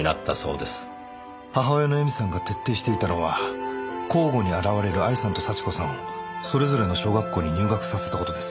母親の絵美さんが徹底していたのは交互に現れる愛さんと幸子さんをそれぞれの小学校に入学させた事です。